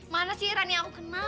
mana sih run yang aku kenal